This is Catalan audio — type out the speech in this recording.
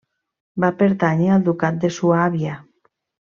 Va pertànyer al ducat de Suàbia.